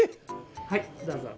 はいどうぞ。